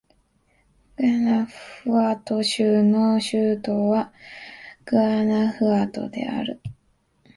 グアナフアト州の州都はグアナフアトである